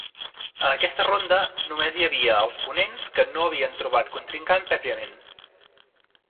A aquesta ronda només hi havia el ponents que no havien trobat contrincant prèviament.